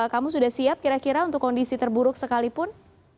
kamu sudah siap kira kira untuk kondisi terburuk sekalipun